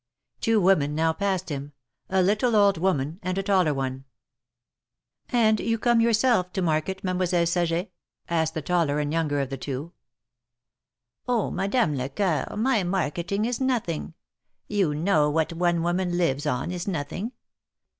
Two women now passed him — a little old woman and a taller one. '^And you come yourself to market, Mademoiselle Saget?'' asked the taller and younger of the two. Oh ! Madame Lecoeur, my marketing is nothing. You know what one woman lives on is nothing